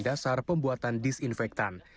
dasar pembuatan disinfektan